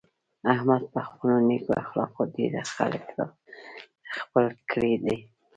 احمد په خپلو نېکو اخلاقو ډېر خلک را خپل کړي دي.